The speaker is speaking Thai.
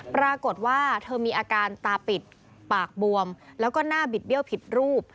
ปรากฏว่าเธอมีอาการตาปิดปากบวมแล้วก็หน้าบิดเบี้ยวผิดรูป